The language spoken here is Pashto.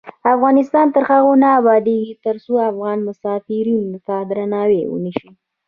افغانستان تر هغو نه ابادیږي، ترڅو افغان مسافرینو ته درناوی ونشي.